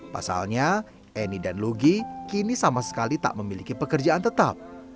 pasalnya eni dan lugi kini sama sekali tak memiliki pekerjaan tetap